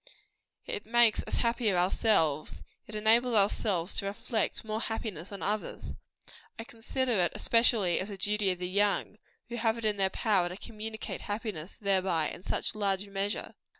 It makes us happier ourselves; it enables us to reflect more happiness on others. I consider it especially as a duty of the young, who have it in their power to communicate happiness thereby in such large measure.